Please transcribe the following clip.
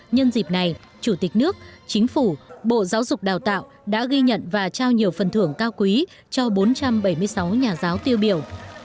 nhân dịp này chủ tịch nước chính phủ bộ giáo dục đào tạo đã ghi nhận và trao nhiều phần thưởng cao quý cho bốn trăm bảy mươi sáu nhà giáo tiêu biểu